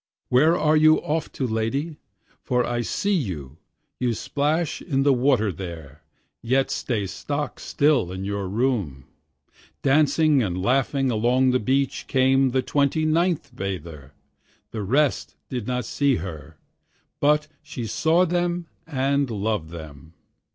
Where are you off to, lady? for I see you, You splash in the water there, yet stay stock still in your room. Dancing and laughing along the beach came the twenty ninth bather, The rest did not see her, but she saw them and loved them.